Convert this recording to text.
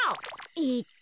えっと。